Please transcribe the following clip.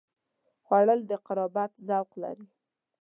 خوړل د قربت ذوق لري